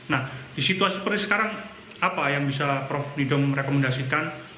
nah di situasi seperti sekarang apa yang bisa prof nidom merekomendasikan